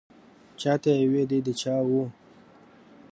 چا ته یې وې دی د چا و.